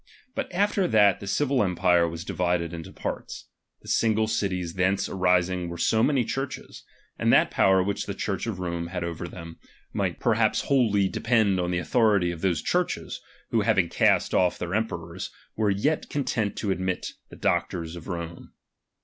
But after that the civil empire was divided into parts, the single cities thence arising were so many Churches : and that power which the Church of Rome had over them, might mtBodtO I I p 280 KELIGION. . perhaps wholly depend on the authority of those Churches, who having; cast off the emperors, were yet content to admit the doctors of Rome.